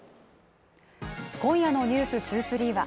今夜の「ｎｅｗｓ２３」は